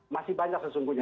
masih banyak sesungguhnya